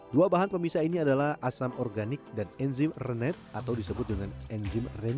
dua bahan pemisah ini adalah asam organik dan enzim renet atau disebut dengan enzim